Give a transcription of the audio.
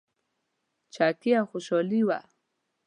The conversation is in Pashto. چکې او خوشحالي وه.